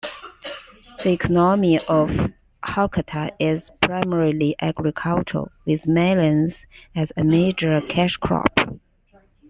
The economy of Hokota is primarily agricultural, with melons as a major cash crop.